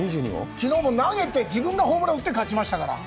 きのうも投げて、自分がホームランを打って勝ちましたから。